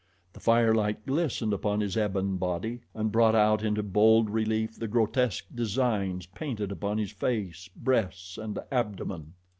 The firelight glistened upon his ebon body and brought out into bold relief the grotesque designs painted upon his face, breasts, and abdomen.